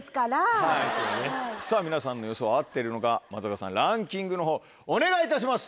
さぁ皆さんの予想合ってるのか松坂さんランキングの方お願いいたします！